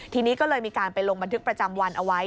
ทีนี้ก็เลยมีการไปลงบันทึกประจำวันเอาไว้